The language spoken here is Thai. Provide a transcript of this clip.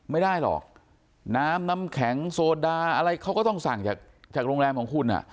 ไม่ได้หรอกน้ำน้ำแข็งโซดาอะไรเขาก็ต้องสั่งจากจากโรงแรมของคุณอ่ะ